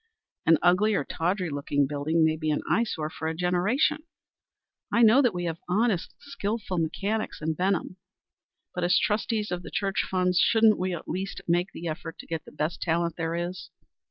An ugly or tawdry looking building may be an eyesore for a generation. I know that we have honest and skilful mechanics in Benham, but as trustees of the church funds, shouldn't we at least make the effort to get the best talent there is?